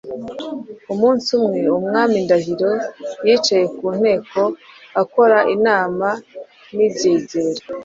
Umunsi umwe, Umwami Ndahiro yicaye ku nteko akora inama n’ibyegera,